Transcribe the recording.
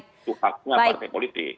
ketakutannya partai politik